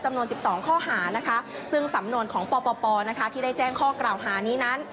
จำนวน๑๒ข้อหานะคะซึ่งสำนวนของปปที่ได้แจ้งข้อกล่าวหานี้นั้น